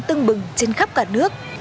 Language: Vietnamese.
tăng bừng trên khắp cả nước